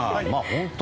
本当